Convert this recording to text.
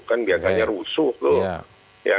kan biasanya rusuh loh